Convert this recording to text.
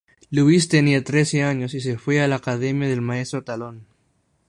Luis tenía trece años y se fue a la academia del maestro Talón.